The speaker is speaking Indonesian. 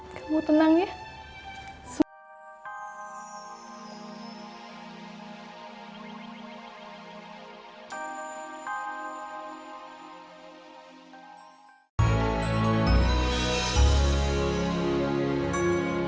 kamu tenang ya